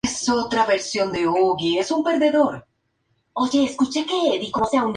Se extiende en dirección norte-sur.